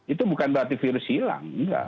itu bukan berarti virus hilang